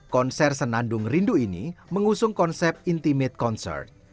konser senandung rindu ini mengusung konsep intimate concert